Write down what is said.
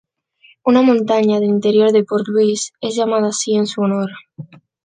Una montaña del interior de Port Louis es llamada así en su honor.